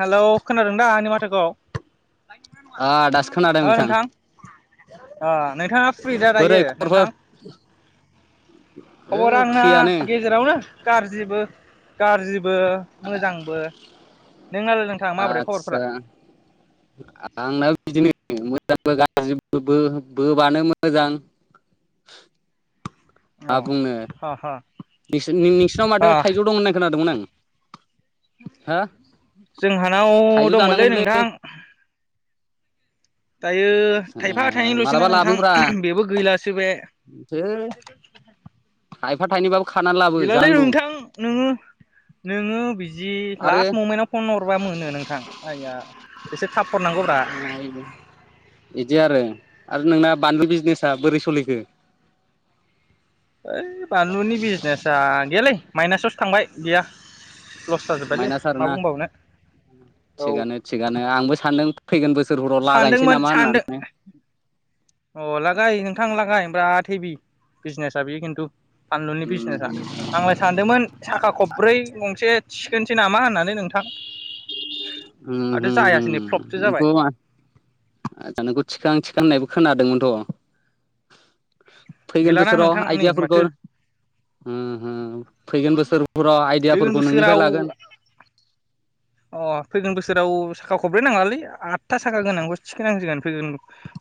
Hello खोनादों दा आंनि माथाखौ? आ दासो खोनादों बिथां । आ नोंथाङा फ्रि दा दायो नोंथां खबरफोर खबरा ओ आंना फ्रियानो गेजेरावनो। गारजिबो-गारजिब बो मोजांबो। नोंनालाय नोंथां माबोरै खबरफोरा आतसा आंनाबो बिदोनो। मोजांबो गाज्रिबो बो बानो मोजां। अ आ बुंनो ह ह नोंसि नों- नोंसिनाव ह माथो थाइजौ दं होननाय खोनादोंमोन आं। हा? जोंहानाव दंमोनलै नोंथां। दायो थाइफा ओ थाइनैल'सैना मालाबा नोंथां लाबोब्रा बेबो गैलासो बे। है थाइफा थायनैबाबो गैलालै नोंथां नोङो-नोङो बिदि आरो लास्ट ममेन्टाव फन हरबा मोनो नोंथां आइया एसे थाब हरनांगौब्रा [unintelligible] इद इदि आरो आरो नोंना बानलु बिजनेसा बोरै सलिखो? ओइ बानलुनि बिजनेसा गैेयालै माइनासाव थांबाय गैया। लस जाजोब्बायलै माइनास मा आरोना बुंबावनो औ थिगानो-थिगानो आंबो सानदों फैगोन बोसोरफोराव लागायनोसै सानदोंमोन नामा सानदों होननानै। अ लागाय नोंथां लागाय बिराद हेबि बिजनेसा बियो खिन्थु। फानलुनि बिजनेसा आंलाय सानदोंमोन साखा खबब्रै गंसे थिखोनसै नामा होननानै नोंथां। उम आरो जायासै हुम-हुम नै फ्लपसो जाबाय नोंखौ मा आतसा नोंखौ थिखां थि गोन होननायबो खोनादोंमोनथ'। फैगोन गैलाना बोसोराव नोंथां नै आइदियाफोरखौ माथो उम हुम। फैगोन बोसोर फुरा फैगोन आइदियाफोरखौ नोंनिफ्राय बोसोराव लागोन। अ फैगोन बोसोराव साखा खबब्रै नाङालै आद था साखा गोनांखौसो थिखोनांसिगोन। फैगोन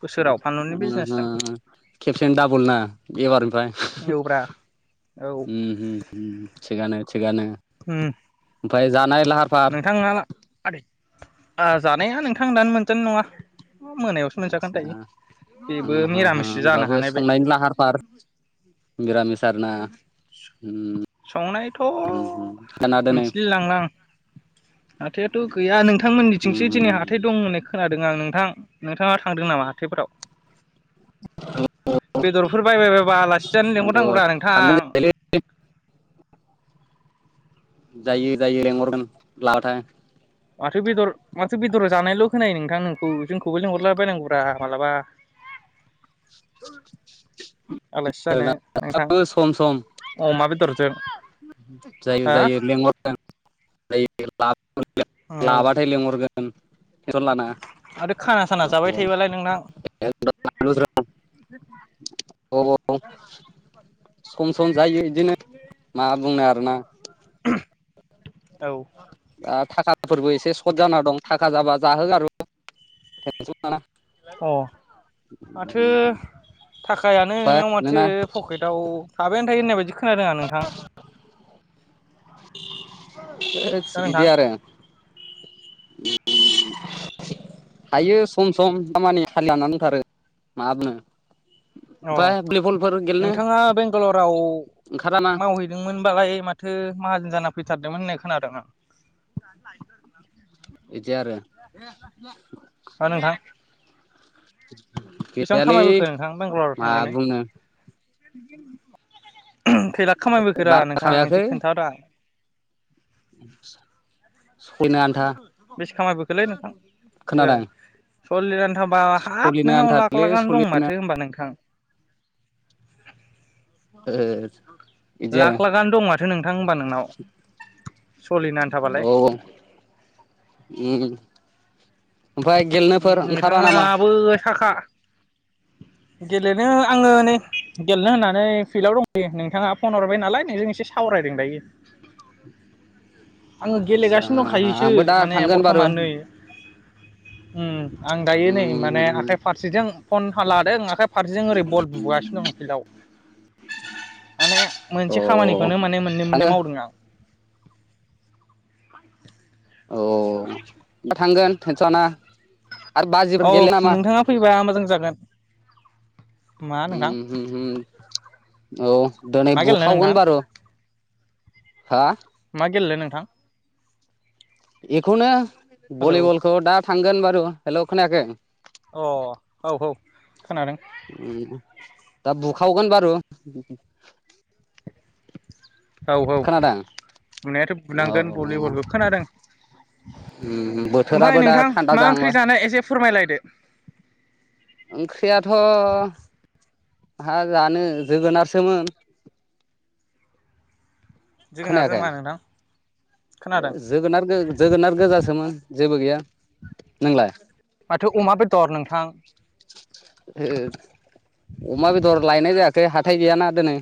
बोसोराव फानलुनि बिजनेसजों उम-उम खेबसेनो दाबल ना एबारनिफ्राय औब्रा औ उम-उम-उम थिगानो। थिगानो। उम ओमफाय जानाय लाहार फाहार नोंथाङा आ जानाया नोंथां दानो मोनजानाय नङा। मोनायावसो मोनजागोन आतसा दायो बेबो उम हुम-हुम मिरामिससो जानो होमबाबो हानाय बे संनायनि लाहार फाहार मिरामिस आरना। संनायथ' खोनादोनो मिथिलायलांला आं। हाथाइआथ' गैया उम नोंथांमोननिथिंसो दिनै होम हाथाइ दं होननाय खोनादों आं नोंथां नोंथाङा थांदों नामा हाथायफोराव? बेदरफोर बायबाय बाबा आलासि जानो खिन्थु लेंंहरनांगौब्रा थांगोन नोंथां। जायोलै जायो जायो लेंहरगोन [unintelligible] माथो बेदर माथो बेदर जानायल' खोनायो नों नोंथां नोंखौ जोंखौबो लेंहरलाबायनांगौरा मालाबा। आलासि जानो नोंथां सम सम अमा बेदरजों। जायो हा जायो लेंहरगोन। [unintelligible] [unintelligible] औ लाबाथाय लेंहरगोन। टेनसन लानाङा आरो खाना साना जाबाय थायोबालाय नोंनाव औ औ सम सम जायो बिदिनो। मा बुंनो आरोना। औ। दा थाखाफोरबो एसे सर्ट जाना दं थाखा जाबा जाहोगोन टेनसन लाना अ माथो थाखायानो नोंनाव माथो नोंना पकेटाव थाबायानो थायो होननाय बायदि खोनादों आं नोंथां। होथस दा इदि नोंथां आरो। थायो सम सम दामानि खालि लानानै दंथारो माबुंनो। अ नोंथाङा बेंगालराव ओंखारा ना मावहैदोंमोनबालाय माथो माहाजोन जाना फैथारदोंमोन होननाय खोनादों आं। इदि आरो। [unintelligible] हा नोंथां [unintelligible] बेसेबां गैयालै खामायबोखो नोंथां बेंगालराव मा थांनानै? बुंनो खैलाख खामायबोखोरा बारा नोंथां एसे खोन्थारा। सयनो आन्था। बेसे खोनादों? [unintelligible] हाबा हाब सलिनो नोंनाव लाख आन्थालै लागानो सलि दं माथो होनोमबा नोंथां। ए। लाख लाख आनो दं माथो नोंथां होनबा नोंनाव, सलिनो औ आथाबालाय। उम ओमफ्राय ओम गेलेनोफोर ओंखारा नामा? नोंथाङाबो साखा गेलेनो आङो नै गेलेनो होननानै फिल्डआव दंहैयो नोंथाङा फन हरबाय नालाय नोंजों एसे सावरायदों दायो। आङो आदसा गेलेगासिनो दंखायोसो आंबो दा माने थांगोन बारु बर्थमा नै उम आं दायो नै माने उम आखाइ फारसेजों फन हाला दों आखा फारसेजों ओरै बल बुबोगासिनो दं फिल्डआव। माने अ मोनसे खामानिखौनो माने मोननै मोननै थाङो मावदों आं। अ दा थांगोन थेनसनाङा औ नोंथाङा फैबा मोजां जा जागोन। मा नोंथां औ दिनै मा गेलेनो बुखावगोन नोंथां बारु हा? मा गेलेनो नोंथां बेखौनो हेलौ भलिबलखौ दा थांगोन बारु। हेल' खोनाखै? अ औ औ खोनादों। दा बुखावगोन बारु । औ औ बुनायाथ' औ बुनांगोन भलिबलखौ खोनादों ओमफफ्राय बोथोराबो दा नोंथां थान्दा मा ओंख्रि जाहांबाय जानाय एसे फोरमायलायदो। ओंख्रियाथ' हा जानो जोगोनारसोमोन। जोगोनार जों खोनायाखै मा नोंथां? खोनादों जोगोनार जोगोनार गोजासोमोन जेबो गैया नोंलाय माथो अमा बेदर नोंथां अमा बेदर लायनाय जायाखै हा हाथाय गैयाना दिनै।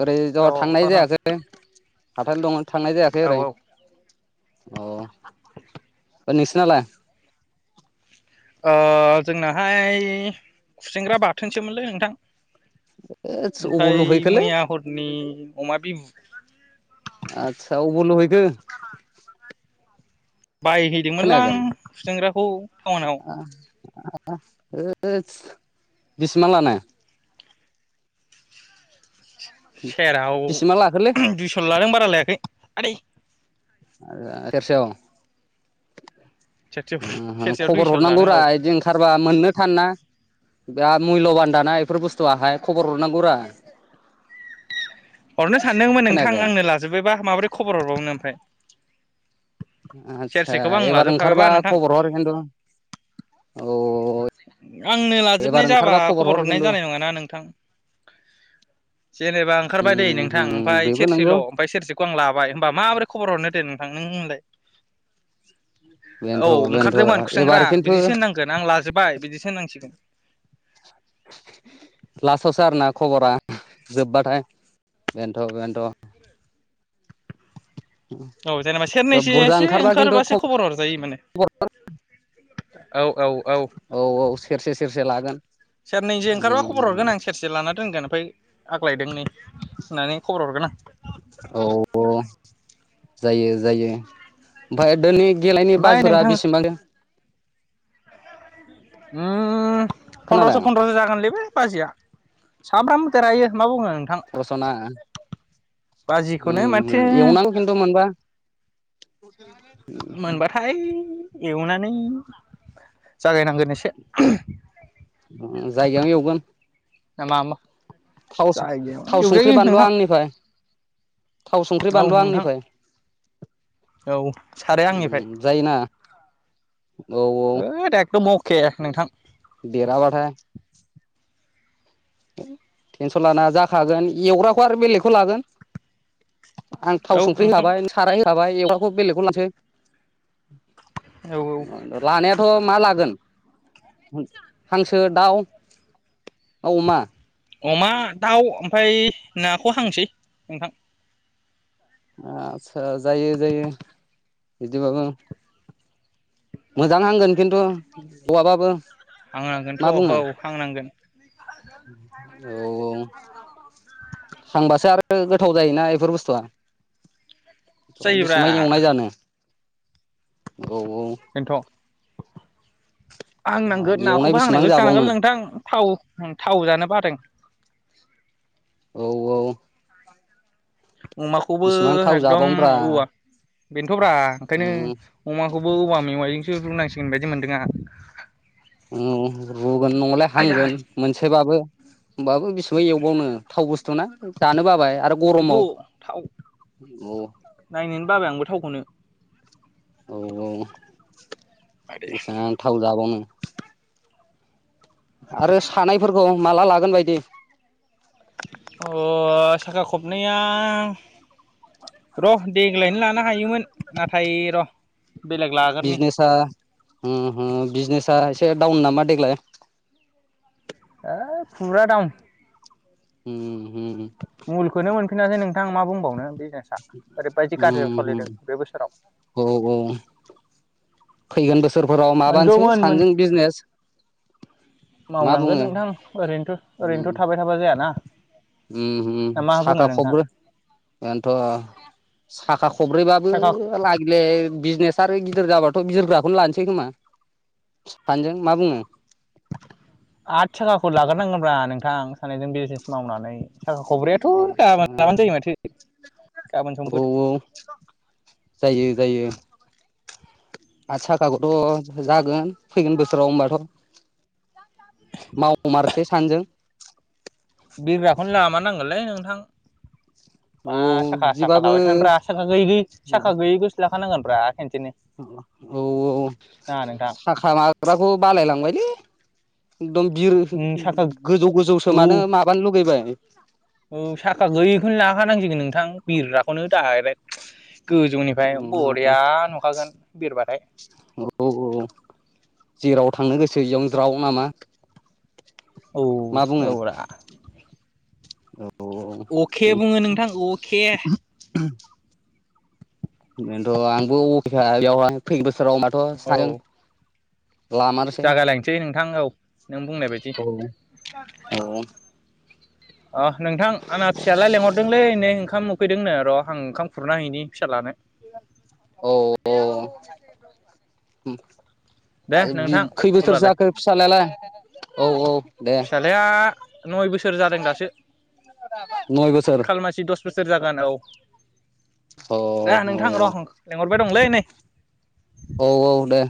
ओरै ज औ थांनाय औ जायासै। हाथायालाय दङ। थांनाय जायाखै ओरै औ ओ औ ओ नोंसिनालाय? ओ जोंनाहाय खुसेंग्रा बाथोनसोमोनलै नोंथां। अबाव ओमफ्राय लुहैखोलै मैया हरनि अमा बिबु आतसा अबाव लुहैखो? खोनायाखै बायहैदोंमोनलां खुसेंग्राखौ टाउनाव होदस बिसिबां लानाय सेराव बेसेबां लाखोलै दुइसल लादों बारा लायाखै आदै आ सेरसेयाव [unintelligible] सेरसेयाव खबर दुइस' हरनांगौ लादों रा औ बिदि ओंखारबा मोननो थान ना बिरात मुल्यबान दाना बेफोर बुस्थुआहाय खबर हरनांगौ रा हरनो सानदोंमोन नोंथां खोनायाखै आंनो लाजोब्बायबा माबोरै खबर हरबावनो ओमफ्राय आदसा सेरसेखौबो आं एबार लाजोबखाबायबा ओंखारबा नोंथां खबर हर खिन्थु औ आंनो लाजोबनाय एबार जाबा ओंखारबा खबर हर हरनाय खिन्थु जानाय नङाना नोंथां जेनेबा आं ओंखारबाय दै उम नोंथां उम ओमफ्राय बेबो सेरसेल नंगौ ओमफ्राय सेरसेखौ आं लाबाय होनमबा माबोरै खबर हरनो दे [unintelligible] होनलाय औ बेनोथ' ओंखारदोंमोन बेनोथ' खुसेंग्रा एबार खिन्थु बिदिसो होननांगोन आं लाजोबबाय बिदिसो होननांसिगोन लासावसो आरोना खबरा जोबबाथाय बेनोथ बेनोथ औ जेनेबा सेरनैसो बुरजा एसे ओंखारबा खिन्थु ओंखारबासो खबर हरजायो माने खबर औ औ औ औ सेरसे सेरसे लागोन सेरनैसो ओंखारबा खबर उम हरगोन आं सेरसे लाना रानगोन फ्राय आग्लायदों नै होननानै खबर हरगोन आं औ अ जायो जायो ओमफ्राय दिनै गेलेनाय ओमफ्राय बाजुरा नोंथां बेसेबां ओम फन्द्रस खोनादों फन्द्रस जागोनलै बे बाजिया सानफ्रामबो देरहायो मा बुंनो नोंथां रसना बाजिखौनो उम माथो एवनांगौ खिन्थु मोनबा मोनबाथाय एवनानै जागायनांगोन एसे [unintelligible] [unintelligible] जायगायाव एवगोन [unintelligible] थाव सु जायगायाव थाव संख्रि एवजायो बानुवा नोंथां आंनिफ्राय थाव संख्रि औ बानुवा नोंथां आंनिफ्राय औ साराया आंनिफ्राय उम जायोना औ औ के नोंथां देराबाथाय टेनसन लाना जाखागोन एवग्राखौ आरो बेलेगखौ लागोन आं थाव औ संख्रि नोंथां होखाबाय साराय होखाबाय एव बेलेगखौ लसै औ लानायाथ' मा लागोन हांसो दाउ अमा अमा दाउ ओमफ्राय नाखौ हांसै नोंथां आस्सा जायो जायो बिदिबाबो मोजां हगोन खिन्थु हौवाबाबो हांनांगोनथ' मा बुङो हौ हांनांगोन औ औ थांबासो आरो गोथाव जायोना इफोर बुस्थुआ जायोब्रा बेसेबां एवनाय जानो? औ औ बेनोथ' हांनांगोन एवनाय नाखौबो बेसेबां हांनायखौसो जानांगोन जाबावनो नोंथां थाव थाव जानो बादों [inaudible] औ औ अमाखौबो बेसेबां थाव एकदम [unintelligible] जाबावनोब्रा [unintelligible] थ'ब्रा ओंखायनो उम अमा खौबो औवा मेवाइोंसो रुनांसिगोन बायदि मोनदों आं औ रुगोन नंलाय आयदै हांगोन मोनसेबाबो [unintelligible] [unintelligible] एवबावनो थावबो स [unintelligible] जानो बाबाय आरो गरमाव [unintelligible] थाव औ नायनोनो बाबाय आंबो थावखौनो औ औ बेसां थाव जाबवनो [unintelligible] आरो सानायफोरखौ माला ला गोन बायदि अ साखा खबनैया र' देग्लायनो लानो हायोमोन नाथाय र' बेलेग लागोरनि बिजनेसा उम हु बिजनेस ओ इसे डाउन नामा देग्लाय ओ फुरा दाउन । होम होम। फिनाखै नोंथां मा बुंबावनो बे सा ओरैबायदि गाज्रियाव सलिदों उम बे बोसोराव। औ औ फैगोन बोसो सोरफोराव माबानोसै मोनगौमोन मोन सानैजों बिजनेस मा मावनांगोन बुङो नोंथां ओरैनोथ' ओरैनोथ' थाबाय थाबा जायाना। होम होम ना मा बुङो साखा नोंथां खबब्रै बेनोथ' साखा खबब्रैबाबो साखा लागिले बिजनेस सार गिदिर जाबाथ' गिदिरग्राखौनो लानोसै खोमा सानैजों मा बुङो? आथ साखाखौ लाग्रोनांगोन ब्रा नोंथां सानैजों बिजनेस मावनानै। साखा खबब्रैयाथ' गाबोन लाबानो जायो माथो गाबोन औ समफोर। आत थाखाखौथ' जागोन फैगोन बोसोराव होनबाथ' मावमारसै सानैजों बिरग्राखौनो लामार नांगोनलै नोंथां। मा औ साखा साखा बिदिबाबो लाबाय थानद्रा साखा गैयै साखा गैयै खौसो ला। खानांगोन ब्रा औ औ ना नोंथां साखा माबाग्राखौ बालायलांबायलै। एकदम बिर उम साखा गोजौ औ गोजौसोमानो माबानो लुगैबाय। [inaudible] खा नांसिगोन नोंथां बिरग्राखौनो दाइरेक्ट। गोजौनिफ्राय औ बरिया नुखागोन बिरबाथाय। औ जेराव थांनो गोसोयाव इयावनो ज्राव नामा? औ मा बुङो औ रा। औ। अके औ बुङो नोंथां अके। बेनोथ' आंबो अके खा बेयाव आं फैनो। सोरांबाथ' सानैजों। जागाय लायनोसै नोंथां औ नों बुंनाय बायदि औ औ। औ अह नोंथां आंना फिसालाया लेंहरदोंलै नै ओंखाम फैदोंनो र आं ओंखाम खुरना हैनि फिसालानो। औ औ उम। दे आरो बै नोंथां खै बोसोरसो अब्लालाय जाखो फिसाजलायालाय औ औ दे। फिसालाया नय बोसोर जादों दासो, नय बोसोर खालमासि दस बोसोर जागोन। औ औ ना नोंथां र लेंहर बाय दंलै नै। औ औ दे।